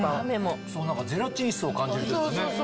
ゼラチン質を感じるちょっとね。